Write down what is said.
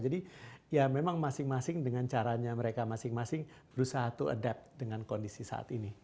jadi ya memang masing masing dengan caranya mereka masing masing berusaha to adapt dengan kondisi saat ini